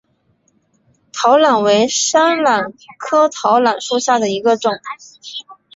桃榄为山榄科桃榄属下的一个种。